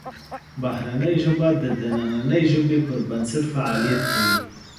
بهرنۍ ژبه د دنننۍ ژبې پر بنسټ فعالیت کوي